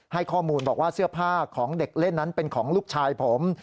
ให้ข้อมูลบอกว่าเสื้อผ้าของเด็กเล่นนั้นเป็นของลูกชายผม